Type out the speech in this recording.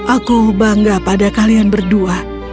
aku bangga pada kalian berdua